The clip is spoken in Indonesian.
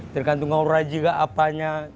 tergantung orangnya juga apanya